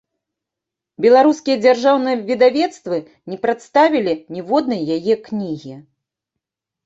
Беларускія дзяржаўныя выдавецтвы не прадставілі ніводнай яе кнігі.